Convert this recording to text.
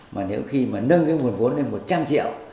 mà nếu khi mà nâng cái nguồn vốn lên một trăm linh triệu